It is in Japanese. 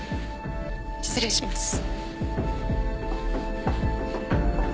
失礼します。